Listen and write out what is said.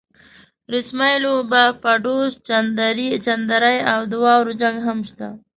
رسمۍ لوبه، پډوس، چندرۍ او د واورو جنګ هم شته.